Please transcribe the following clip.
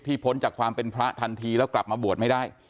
พ้นจากความเป็นพระทันทีแล้วกลับมาบวชไม่ได้